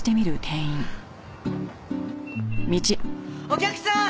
お客さん！